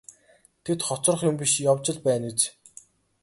Тэд хоцрох юм биш явж л байна биз.